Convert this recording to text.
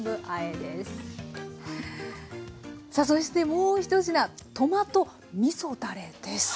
さあそしてもう１品トマトみそだれです。